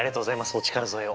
お力添えを。